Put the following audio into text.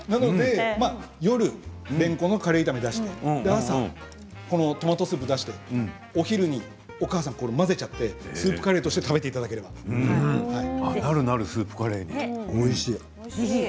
夜、れんこんのカレー炒めを出して朝トマトスープを出してお昼にお母さん混ぜちゃってスープカレーとして食べて、なる、なるスープカレーに。